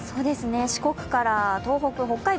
四国から東北、北海道